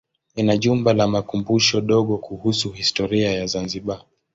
Ina jumba la makumbusho dogo kuhusu historia ya Zanzibar.